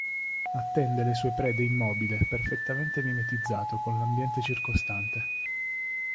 Attende le sue prede immobile, perfettamente mimetizzato con l'ambiente circostante.